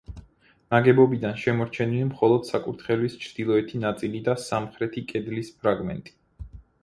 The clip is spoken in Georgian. ნაგებობიდან შემორჩენილი მხოლოდ საკურთხევლის ჩრდილოეთი ნაწილი და სამხრეთი კედლის ფრაგმენტი.